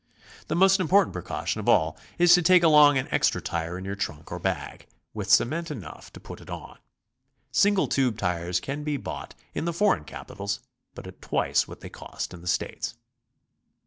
The most im portant precaution of all is to take along an extra tire in your trunk or bag, with cement enough to put it on. Single tube tires can be bought in the foreign capitals, but at twice what they cost in the States.